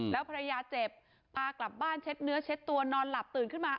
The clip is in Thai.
แล้วภรรยาเจ็บพากลับบ้านเช็ดเนื้อเช็ดตัวนอนหลับตื่นขึ้นมา